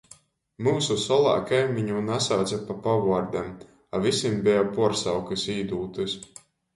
Myusu solā kaimiņu nasauce pa pavuordem, a vysim beja puorsaukys īdūtys.